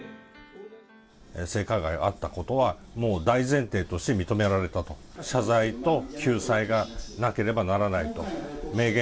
性加害があったことは、もう大前提として認められたと、謝罪と救済がなければならないと明言。